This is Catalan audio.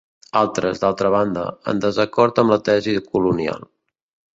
Altres, d'altra banda, en desacord amb la tesi colonial.